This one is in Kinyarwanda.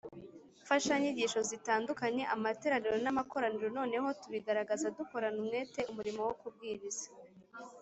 mfashanyigisho zitandukanye amateraniro n amakoraniro Nanone tubigaragaza dukorana umwete umurimo wo kubwiriza